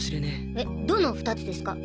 えっどの２つですか？